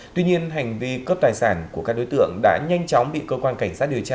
tuy nhiên hành vi cướp tài sản của các đối tượng đã nhanh chóng bị cơ quan cảnh sát điều tra